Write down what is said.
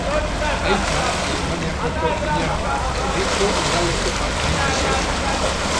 Aita, Alemaniako etorkina, herriko udaleko partaide zen.